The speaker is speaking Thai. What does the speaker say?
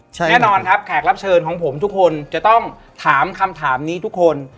แน่นอนครับแขกรับเชิญของผมทุกคนจะต้องถามคำถามนี้ทุกคน